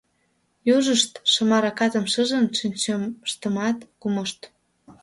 Южышт, шыма ракатым шижын, шинчаштымат кумышт.